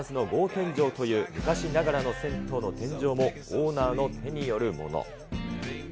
天井という、昔ながらの銭湯の天井も、オーナーの手によるもの。